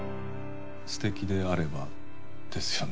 素敵であればですよね？